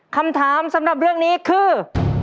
คำถามสำหรับเรื่องนี้คือ